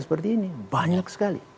seperti ini banyak sekali